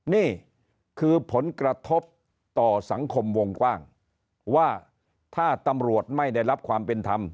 นี่คือผลกระทบต่อสังคมวงกว้างว่าถ้าตำรวจไม่ได้รับความเป็นธรรม